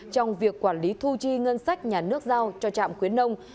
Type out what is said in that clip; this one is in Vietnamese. trong việc quản lý thu chi ngân sách nhà nước giao cho trạm khuyến nông